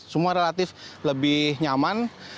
semua relatif lebih nyaman